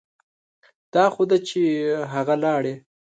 دا خو ده چې هغه لاړې.